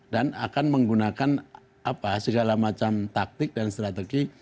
dan akan menggunakan segala macam taktik dan strategi